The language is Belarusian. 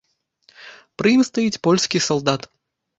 Пры ім стаіць польскі салдат.